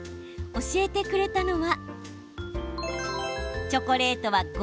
教えてくれたのは。